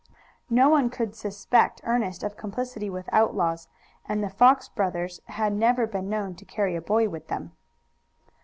No one could suspect Ernest of complicity with outlaws, and the Fox brothers had never been known to carry a boy with them.